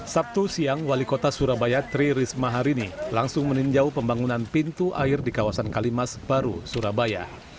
sabtu siang wali kota surabaya tri risma hari ini langsung meninjau pembangunan pintu air di kawasan kalimas baru surabaya